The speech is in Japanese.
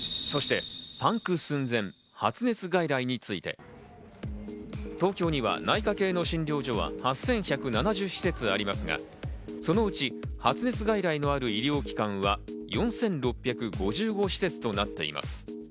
そしてパンク寸前の発熱外来について、東京には内科系の診療所は８１７０施設ありますが、そのうち発熱外来のある医療機関は４６５５施設となっています。